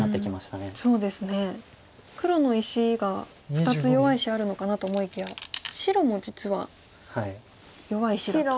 黒の石が２つ弱い石あるのかなと思いきや白も実は弱い石だったと。